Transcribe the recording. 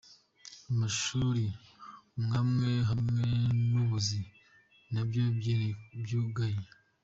Amashule amwamwe hamwe n'ubuzi navyo nyene vyugaye.